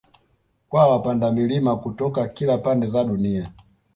Kwa wapanda milima kutoka kila pande za dunia